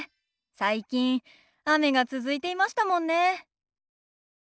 最近雨が続いていましたもんね。